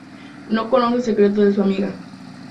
No conoce el secreto de su amiga.